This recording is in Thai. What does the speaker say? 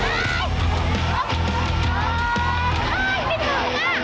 อีกแล้ว